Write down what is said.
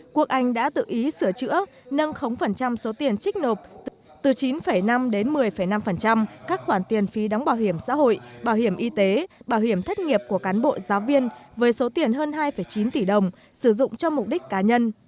quốc anh đã tự ý sửa chữa nâng số tiền trích nộp từ chín năm đến một mươi năm các khoản tiền phí đóng bảo hiểm xã hội bảo hiểm y tế bảo hiểm thất nghiệp của cán bộ giáo viên với số tiền hơn hai chín tỷ đồng sử dụng cho mục đích cá nhân